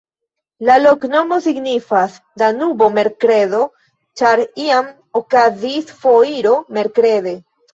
La loknomo signifas: Danubo-merkredo, ĉar iam okazis foiro merkrede.